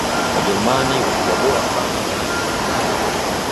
wajerumani walikua bora sana barani ulaya